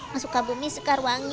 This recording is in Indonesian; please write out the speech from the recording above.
masuk ke bumi sekarwangi